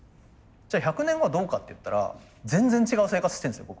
じゃあ１００年後はどうかっていったら全然違う生活してるんですよ